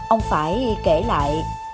ông phải kể lại